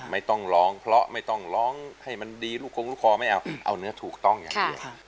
ไม่ต้องร้องเพราะไม่ต้องร้องให้มันดีลูกคงลูกคอไม่เอาเอาเนื้อถูกต้องอย่างเดียว